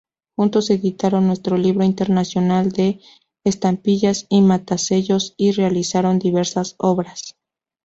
Juntos editaron Nuestro Libro Internacional de Estampillas y Matasellos y realizaron diversas obras.